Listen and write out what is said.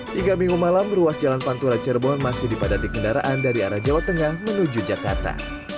hingga minggu malam ruas jalan pantura cirebon masih dipadati kendaraan dari arah jawa tengah menuju jakarta